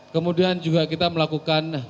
kemudian juga kita melakukan